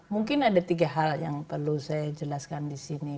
mungkin ada tiga hal yang perlu saya jelaskan di sini